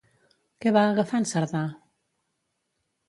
Què va agafar en Cerdà?